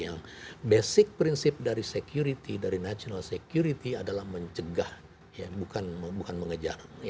yang prinsip dasar dari keamanan dari keamanan nasional adalah mencegah bukan mengejar